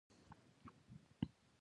د لوپس ناروغي هم خودي دفاعي ده.